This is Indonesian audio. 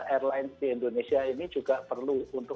airlines di indonesia ini ini adalah perusahaan yang sangat menarik